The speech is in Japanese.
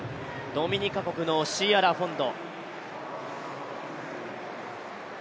ドミニカのシーア・ラフォンド。